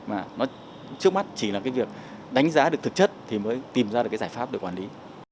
mà nó trước mắt chỉ là cái việc đánh giá được thực chất thì mới tìm ra được cái giải pháp để quản lý